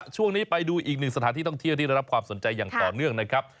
ช่วงนี้ไปดูอีกหนึ่งสถานที่ท่องเที่ยวที่ได้รับความสนใจอย่างต่อเนื่องนะครับ